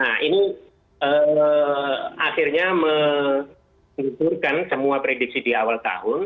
nah ini akhirnya mengunturkan semua prediksi di awal tahun